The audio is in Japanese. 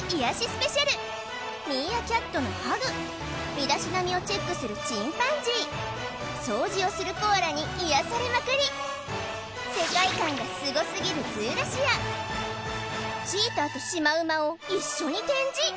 スペシャルミーアキャットのハグ身だしなみをチェックするチンパンジー掃除をするコアラに癒やされまくり世界観がすごすぎるズーラシアチーターとシマウマを一緒に展示